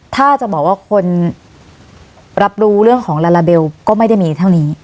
ถ้าจะบอกว่าคนรับรู้เรื่องของลาลาเบลก็ไม่ได้มีเท่านี้